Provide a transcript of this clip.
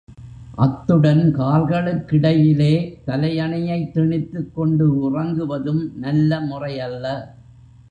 அத்துடன் கால்களுக்கிடையிலே தலையணையைத் திணித்துக் கொண்டு உறங்குவதும் நல்ல முறையல்ல.